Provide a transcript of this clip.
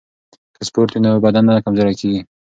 که سپورت وي نو بدن نه کمزوری کیږي.